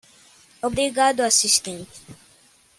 Obrigado assistente